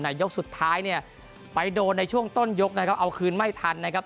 ยกสุดท้ายเนี่ยไปโดนในช่วงต้นยกนะครับเอาคืนไม่ทันนะครับ